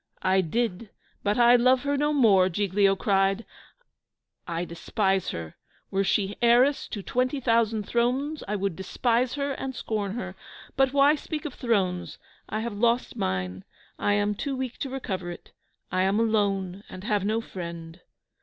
"I did, but I love her no more!" Giglio cries. "I despise her! Were she heiress to twenty thousand thrones, I would despise her and scorn her. But why speak of thrones? I have lost mine, I am too weak to recover it I am alone, and have no friend."